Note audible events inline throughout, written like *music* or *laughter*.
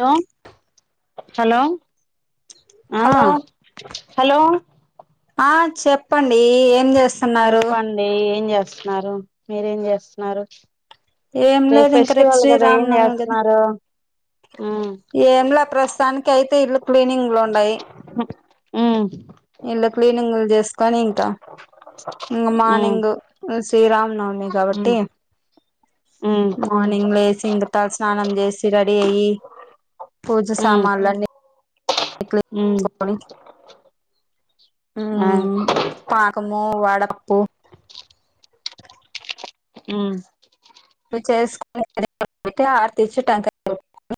Hello hello ఆ hello hello ఆ చెప్పండి ఏం చేస్ చెప్పండి ఏం చేస్ స్తున్నారు మీరేం చేస్తున్నారు ఏం అంటే లేదు ఇంక రేపు ఫెస్టివల్ కదా ఏం శ్రీరామనవమి కదా చేస్తన్నారు ఏంలా ప్రస్తుతానికి అయితే ఇల్లు క్లీనింగ్లు ఉండయి హ్మ్ ఇల్లు క్లీనింగ్లు చేసుకొని ఇంకా ఇంక ఉమ్ మార్నింగ్ శ్రీరామ్ నవమి కాబట్టి ఉమ్ మార్నింగ్ లేసి ఇంక తలస్నానం చేసి ర *unintelligible* పూజ ఉమ్ సామాన్లని ఉమ్ ఆ హ్మ్ పాకం ము వడపప్పు హ్మ్ ఇవి చేసుకుని *unintelligible* పెట్టి ఆర్తిచ్చి టెంకాయ కొట్టు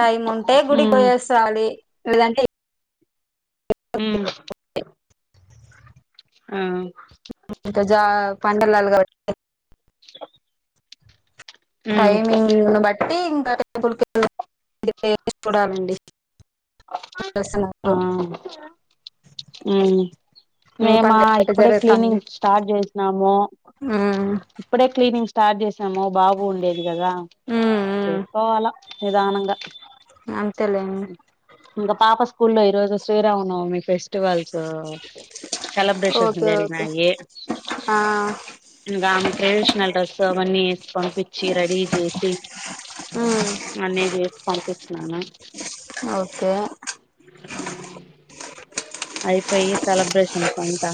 టైం ఉంటే ఉమ్ గుడికియేసాలి లేదంటే హ్మ్ ఇంక జా పండగ లల్ గ ఉమ్ టైమింగ్ని బట్ అయితే ఇంకా టేబుల్ *unintelligible* క చూడాలండి ఆ దర్శనాలు హ్మ్ మీ మేమా పనులు ఎట్ట ఇప్పుడే జరుగుతాంది క్లీనింగ్ స్టార్ట్ చేసినాము ఉమ్ ఇప్పుడే క్లీనింగ్ స్టార్ట్ చేస్ మో బాబు ఉండేది ఇది కదా ఉమ్ చేసుకోవాలా నిదానంగా అంతే లేండి ఇంకా పాప స్కూ లో ఈ రోజు Sriramanavami festivals celebrations okay okay జరిగినాయి. ఆ ఇంకా ట్రెడిషనల్ డ్రస్ అవన్నీ ఏసి పంపించి రెడీ చేసి ఉమ్ అన్నీ చేసి పంపించినాను. ఓకే అయిపోయి సెలబ్రేషన్స్ అఃత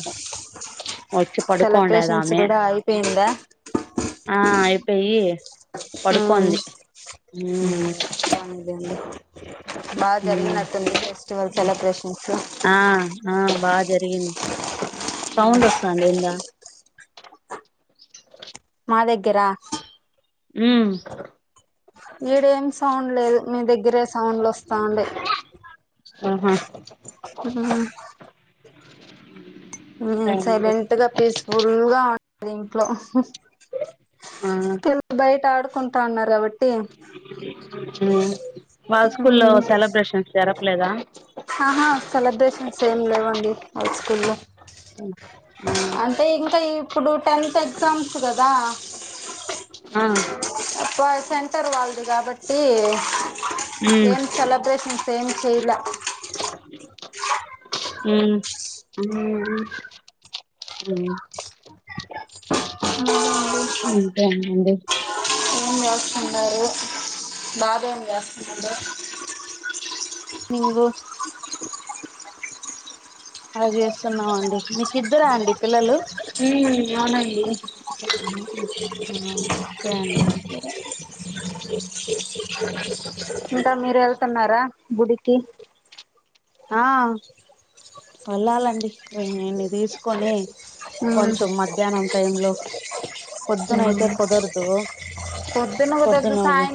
సెలబ్రేషన్స్ కూడా అయిపోయిందా పెయ్ ఉమ్ పడుకోంది హ్మ్ బా జరిగినట్టుంది ఫెస్టివల్ సెలెబ్రేషన్ ఆ ఆ బా జరిగింది సౌం అసం ఎండ్ల మా దగ్గరా ఉ ఈడేమ్స్ సౌండ్ లేదు మీ దగ్గరే సౌండ్లు ఒస్తాండి ఉహు ఊ అ *unintelligible* నేను సైలెంట్ గా పీస్ఫుల్ గా ఉ అది ఇంట్లో ఆ పిల్ బయట ఆడుకుం టన్నారవిడ్ ఉ వాళ్ళ స్కూల్లో సెలబ్రేషన్స్ జరపలేదా సేమ్ లేవండి హై స్కూల్లో ఆ అంటే ఇంకా ఈ ఇప్పుడు టెన్త్ ఎగ్జామ్స్ కదా అ సెంటర్ వాళ్ది గాబట్టి ఉమ్ ఏం సెలబ్రేషన్స్ ఏం చేయల ఉమ్ ఉ ఉ ఇంతే అండి ఏం చేస్తున్నారు బాబెం జేస్తున్నాడు *unintelligible* అది చేస్తున్న మండి మీకు ఇద్దరా అండి పిల్లలు ఊ అవునండి ఈ *unintelligible* ఆ ఓకే అండి *unintelligible* ఇంక మీరు ఎళ్తున్నారా గుడికి ఆ వెళ్లాలండి తీసుకొని కొంచెం మధ్యాహ్నం టైం లో పొద్దునయితే ఉమ్ కుదరదు పొద్దున పొద్దునవి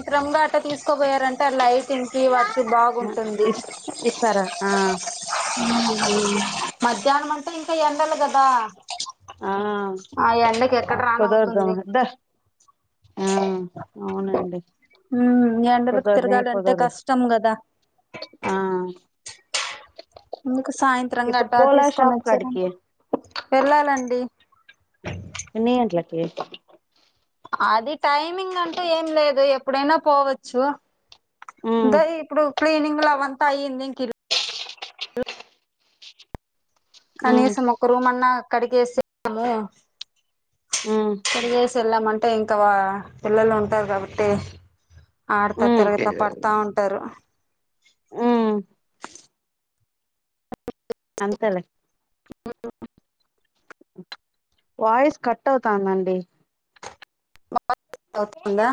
లైప తినికి వాటికి బాగుంటుంది ఇస్ ఇస్తారా ఆ *unintelligible* మధ్యనం అంటే ఇంకా ఎ కంటలు కదా ఆ ఆ ఎండకి ఎక్కడ రాన్ అవుతుంది కుదరదమ్మ దా ఆ అవునండి న్నిండలకు కుదరనే తిరగాలింటే కుదరదు కష్టం కదా ఆ మీకు సాయంత్రం ఇప్పుడు గటా పోలా తీసుకొని షాప్ కాడికి వచ్చారండి వెళ్ళాలండి న గంటలకి అది టైమింగ్ అంటూ ఏం లేదు ఎప్పుడైనా పోవచ్చు ఉమ్ దా ఇప్పుడు ప్లేనింగ్ లో అవంతా అయ్యింది ఇంక ఉమ్ కనీసం ఒక్క రూమ అన్న అక్కడికిసేాము ఉమ్ స *unintelligible* చెళ్లామ అంటే ఇంకా పిల్లలు ఉంటారు కాబట్టి ఆడతా ఉమ్ తిరగతా పడతా ఉంటారు ఉమ్ అంతలే *unintelligible* వాయిస్ కట్ అవుతందండి *unintelligible* దా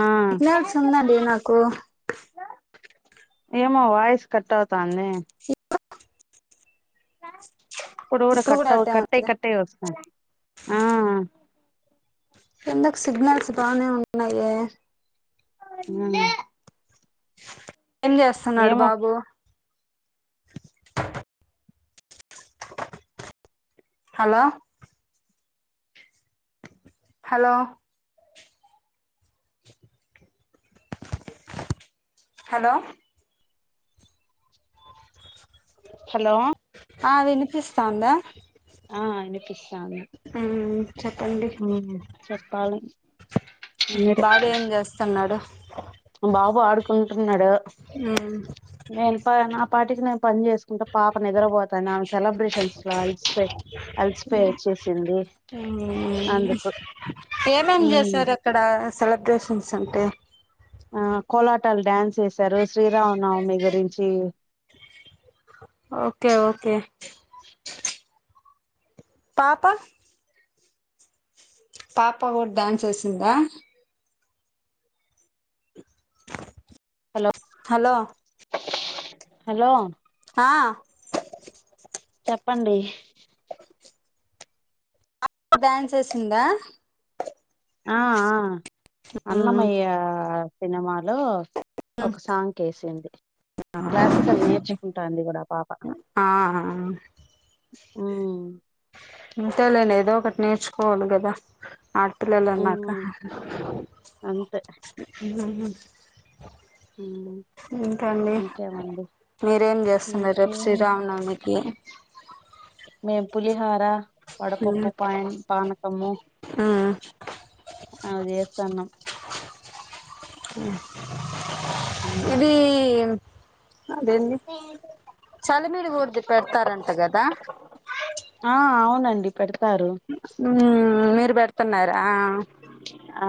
ఆ సిగ్నల్స్ ఉందండి నాకు ఏమో వాయిస్ కట్వుతాంది ఇప్పుడ కూడా ఇప్పుడు కట్ట అట్టే కట్ట ఉంది కట్టే వస్త ఆ ఎందకు సిగ్నల్స్ బానే ఉన్నా ఏ *unintelligible* ఏం చేస్తున్నాడు ఏమో బాబు హలో హలో హలో హలో ఆ వినిపిస్తాందా ఆ అయన మ్మ్ చెప్పండి చెప్పార బాబు ఏం చేస్తాన్నాడు బాబు ఆడుకుంటున్నాడు మ్మ్ నేను పొనాప్ నాపాటికి నేను పని చేసుకుంట పాపని నిద్రపోతాంది ఆ సెలబ్రేషన్స్ లో అలసిపో అలసిపోయి వచ్చేసింది మ్మ్ అందుకు ఏమేం చేశారు అక్కడ సెలబ్రేషన్స్ అంటే ఆ కోలాటాలు డ్యాన్స్ చేసారు శ్రీరామనవమి గురించి ఓకే ఓకే పాప పాప కూడా డ్యాన్స్ వేసిందా హలో హలో హలో ఆ చెప్పండి డ్యాన్స్ ఎసిందా ఆ ఆ అన్నమయ్య ఆ ఆ సినిమాలో ఒక సాంగ్కకి ఎసింది క్లాసికల్ నేర్చుకుంటాంది కదా ఆ పాప ఆ అంతేలేండి ఏదో ఒకటి నేర్చుకో పిల్లొల్లు అన్నాక అంతే ఉమ్, ఇంకాండి ఇంకేమండి మీరేం చేస్తున్నారు రేపు ఇంకేం శ్రీరామనవమికి మేం పులిహొర ఇంకా వడపప్పు పయ పనకము మ్మ్ అ చేస్తాన్నాం అ ఇది ఉమ్, అదేండి చలి మీడి కొడితే పెడతారంట కదా ఆ అవునండి పెడతారు మ్మ్ మీరు పెడుతాన్నార్ ఆ ఆ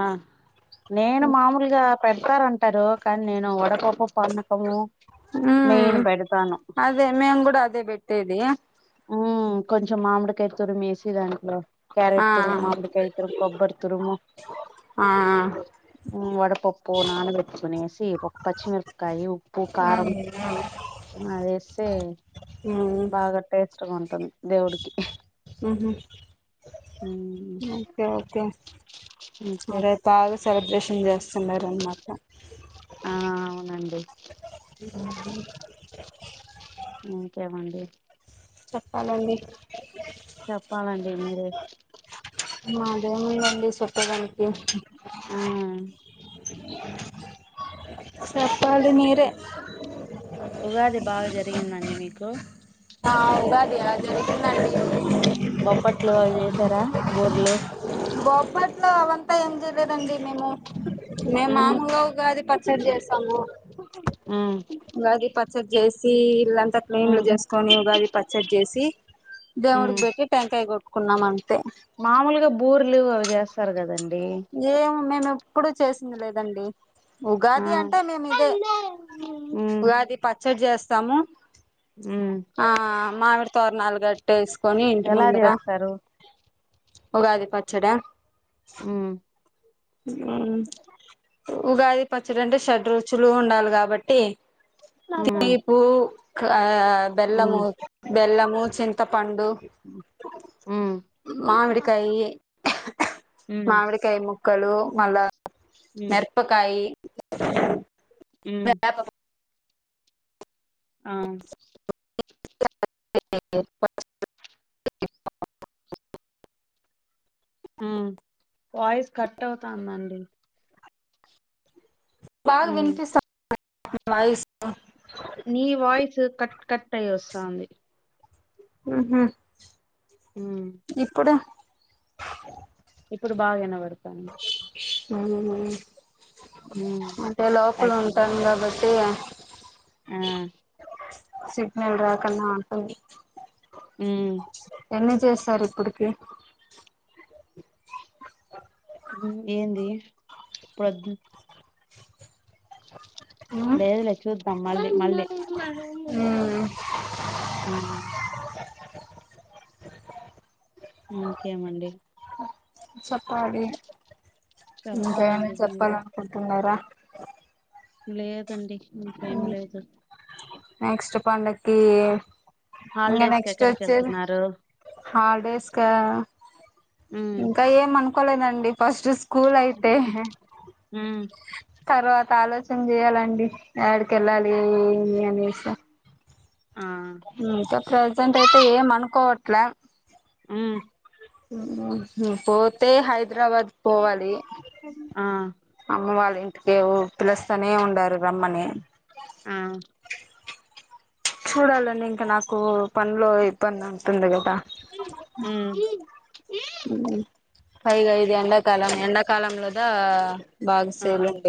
నేను మామూలుగా పెడతారంటారు. కానీ నేను వడపప్పు, పానకము మ్మ్ మెయిన్ పెడతాను పెట్టెది హ్మ్ కొంచం మామిడికాయ తూరుము వేసి దాంట్లో ఆ క్యారెట్ తురుము, మామిడికాయ తురుము, కొబ్బరి తురుము, ఆ వడపప్పు నానబెట్టుకునేసి ఒక పచ్చిమిరపకాయ ఉప్పు కారం అదేస్తే మ్మ్ బాగా ఇష్టం ఉంటుంది దేవుడికి ఆహ ఉమ్ ఓకే ఓకే ఇంకే అరే బాగా సెలబ్రేషన్ చేస్త అన్నారు అనమాట ఆ అవునండి ఇంకేముంది. చెప్పాలండి చెప్పాలండి మీరే మధేం ఉందండి చెప్పే దానికి ఆ సరే ఉగాది బాగా జరిగిందండి మీకు మీకు ఆ ఉగాది ఆ జరిగిందండి బొప్పట్లు అవి చేసారా బూరెలు ఇంట్లో అవంతా ఏం జేయాలేదండి మేము మేము ఉమ్ మాములుగా ఉగాది పచ్చడి చేస్తాము. ఉమ్ ఉగాది పచ్చడి చే సి అంత క్లీన్లు ఉమ్ చేసుకొని ఉగాది పచ్చడి చేసి ఉమ్ దేవుడికి పెట్టి టెంకాయ కొ కున్నా అన్మాట మామూలుగా బూరేలు అవి చేస్తారు కదండి. ఏమో మేము ఎప్ ఎప్పుడు చేసింది లేదండి. ఆ ఉగాది అంటే మేము ఇదే మ్మ్ ఉగాది పచ్చడి చేస్తాం. చేస్తాము మ్మ్ ఆ మామిడి తొరణాలు కాట్టేసి కొని ఇంటి ఎలా ముందర చేస్తారు ఉగాది పచ్చడ హు హు ఉగాది పచ్చడి అంటే షడ్ రుచులు ఉండాలి కాబట్టి మ్మ్ తీపు ఆ బెల్లం మ్మ్ బెల్లము చింతపండ పండు మ్మ్ మామిడి కాయ మ్మ్ మామిడి కాయ ముక్కలు లో మళ్ల మ్మ్ మిరపకాయ మ మ్మ్ ప *unintelligible* ఆ *unintelligible* హు వాయిస్ కట్ అవుతా ఉందండి బాగ మ్మ్ వినిపిస్త *unintelligible* వాయిస్ నీ వాయిస్ కట్ కట్ అయి వస్తా వుంది ఉహు మ్మ్ ఇప్పుడు ఇప్పుడు బాగ వినబడతాంది మ్మ్ *unintelligible* అంటే లోపల థాంక్యూ ఉంటాం కాబట్టి *unintelligible* ఆ సెట్ మళ్లి రాకమ్మ అంటుంది హు ఎన్ని చేశారు ఇప్పుడికి హు ఏంది పద్ద్ ఉమ్ లేదు లే చూద్దం మళ్ళీ మళ్ళీ హు ఇంకేమండి చెప్పాలి ఇంక ఏమైనా చెప్పాలండి మీరే చెప్పాలనుకుంటున్నారా లేదండి ఇంకేం లేదు నెక్స్ట్ పండక్కీ ఏ ఇంక హాలిడేస్ కి నెక్స్ట్ ఎక్కడికి వచ్చేది వెళ్తున్నారు హాల్డేస్ స్ కా ఉమ్ ఇంకా ఏం అనుకోలేద దండి ఫస్ట్ స్కూల్ అయితే ఉమ్ తర్వాత ఆలోచి చన చెయ్యాలండి యాడికెళ్ళాలి చేస్తా ఆ ఇంక ప్రెసెంట్ అయితే ఏం అనుకోవ ట్ల మ్ పోతే హై హైదరాబాద్ పోవాలి ఆ అమ్మ వాళ్ళ ఇంటికే వొ పిలుస్తానే ఉండారు రమ్మని ఆ చూడాలండి ఇంక నాకు పనులో ఇబ్బంది ఉంటుంది కదా ఉమ్ మ్.. పైగా ఇది ఎండాకాలం ఎండాకాలంలోదా బాగా ఆ సేల్ ఉండేది.